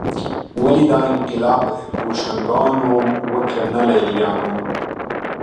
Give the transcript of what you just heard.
ولې دا انقلاب بوشونګانو وکړ نه لېلیانو